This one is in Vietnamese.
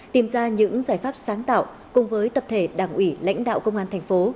tìm ra những giải pháp sáng tạo cùng với tập thể đảng ủy lãnh đạo công an thành phố